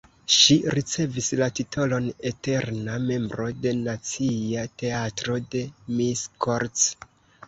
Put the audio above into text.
Ŝi ricevis la titolon eterna membro de Nacia Teatro de Miskolc.